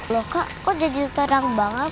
loh kak kok jadi terang banget